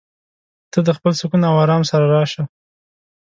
ته د خپل سکون او ارام سره راشه.